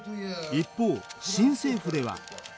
一方新政府では。